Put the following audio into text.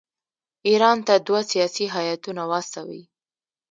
ایران ته دوه سیاسي هیاتونه واستوي.